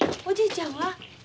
おじいちゃんは？